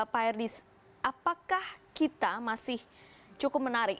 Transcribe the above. pak herdi apakah kita masih cukup menarik